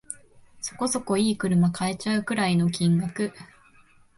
そこそこ良い車買えちゃうくらいの金額